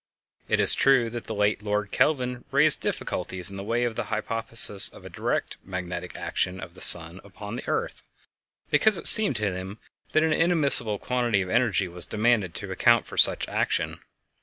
It is true that the late Lord Kelvin raised difficulties in the way of the hypothesis of a direct magnetic action of the sun upon the earth, because it seemed to him that an inadmissible quantity of energy was demanded to account for such action.